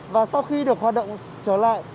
và sau khi được hoạt động trở lại